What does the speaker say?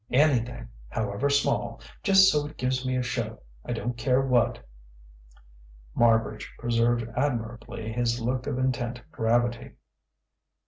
Anything however small just so it gives me a show I don't care what!" Marbridge preserved admirably his look of intent gravity.